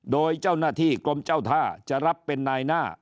โดยเจ้าหน้าที่กรมเจ้าท่าจะรับเป็นนายหน้า